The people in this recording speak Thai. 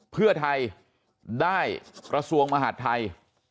เพื่อไทยได้กระทรวงมหาดไทย